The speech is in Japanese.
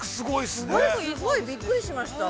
◆すごい。びっくりしました。